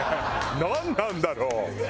なんなんだろう？